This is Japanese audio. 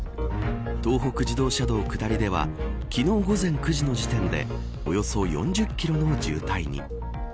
東北自動車道下りでは昨日午前９時の時点でおよそ４０キロの渋滞に。